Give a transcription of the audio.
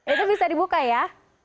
itu bisa dibuka ya